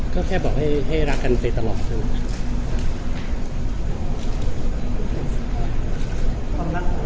ก็แค่บอกให้รักกันไปตลอดคืน